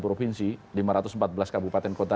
provinsi lima ratus empat belas kabupaten kota